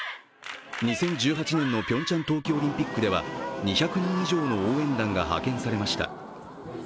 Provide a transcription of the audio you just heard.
２０１８年のピョンチャン冬季オリンピックでは２００人以上の応援団が派遣されました。